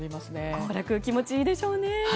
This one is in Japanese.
行楽気持ちいいでしょうね。